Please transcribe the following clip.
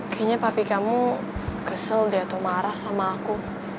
kayaknya papi kamu kesel deh atau marah sama aku